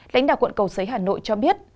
lãnh đạo quận cầu xấy hà nội cho biết